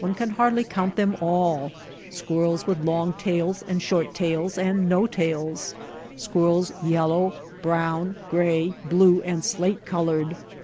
can hardly count them all — squirrels with long tails and short tails and no tails ; squirrels yellow, brown, gray, blue, and slate colored.